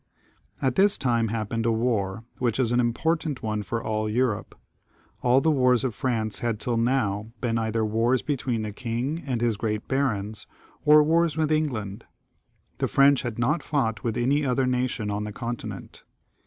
At this time happened a war, which was an important one for all Europe. All the wars of France had till now XXXII.] CHARLES VIIL 227 been either wars between the king and his great barons, or wars with England ; the French had not fought with any other nation on the Continent.